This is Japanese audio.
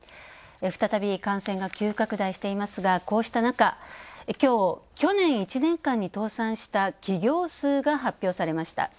再び感染が急拡大していますが、こうした中、きょう、去年１年間に倒産した企業数が発表されました。